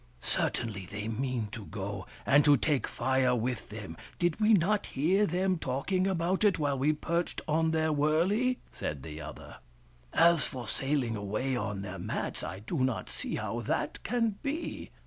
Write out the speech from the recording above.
" Certainly they mean to go, and to take Fire with them ; did we not hear them talking about it while we perched on their wurley ?" said the other. " As for sailing away on their mats, I do not see how that can be.